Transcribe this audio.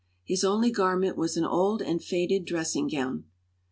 His only garment was an old and faded dressing gown.